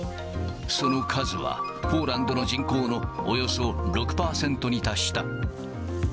その数は、ポーランドの人口のおよそ６％に達した。